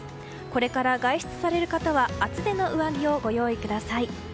これから外出される方は厚手の上着をご用意ください。